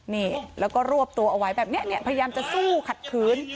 นี่แล้วก็รวบตัวเอาไว้แบบนี้เนี่ยพยายามจะสู้ขัดขืน